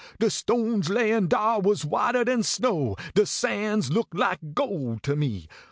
De stones layin dar was whiter dan snow. De sands looked like gold to me.